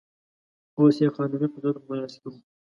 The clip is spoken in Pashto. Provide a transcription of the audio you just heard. اوس یې قانوني قدرت په لاس کې و.